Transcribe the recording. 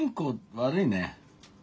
悪いね。